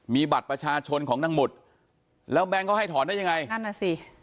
มีบัตรประชาชนของนางหมุดแล้วแบงก็ให้ถอนได้ยังไง